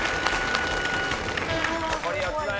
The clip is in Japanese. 残り４つだよ。